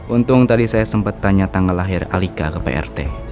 untung tadi saya sempat tanya tanggal lahir alika ke prt